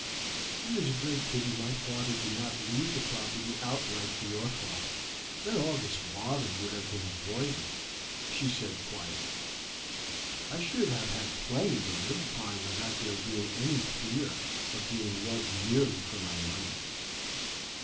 "It is a great pity my father did not leave the property outright to your father, then all this bother would have been avoided," she said quietly. "I should still have had plenty to live upon without there being any fear of being loved merely for my money."